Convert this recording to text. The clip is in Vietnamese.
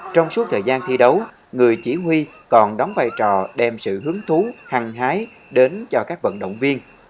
trong suốt thời gian thi đấu người chỉ huy còn đóng vai trò đem sự hứng thú hăng hái đến cho các vận động viên